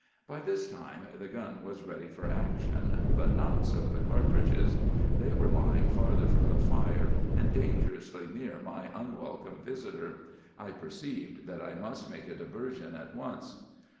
"By this time the gun was ready for action, but not so the cartridges. They were lying farther from the fire and dangerously near my unwelcome visitor. I perceived that I must make a diversion at once.